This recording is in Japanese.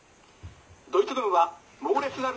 ドイツ軍は猛烈なる」。